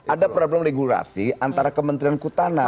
ada problem regulasi antara kementerian kehutanan